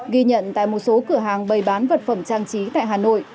ghi nhận tại một số cửa hàng bày bán vật phẩm trang trí tại hà nội